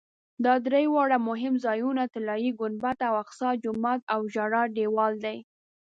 دا درې واړه مهم ځایونه طلایي ګنبده او اقصی جومات او ژړا دیوال دي.